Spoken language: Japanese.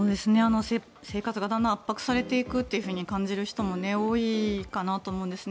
生活がだんだん圧迫されていくと感じる人も多いかなと思うんですね。